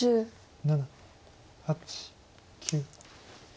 ７８９。